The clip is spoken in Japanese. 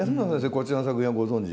こちらの作品はご存じ？